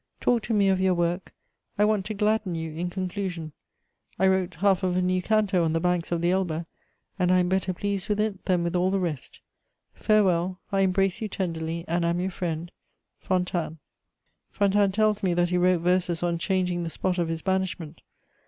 Talk to me of your work. I want to gladden you in conclusion: I wrote half of a new canto on the banks of the Elbe, and I am better pleased with it than with all the rest. "Farewell, I embrace you tenderly, and am your friend. "FONTANES." Fontanes tells me that he wrote verses on changing the spot of his banishment.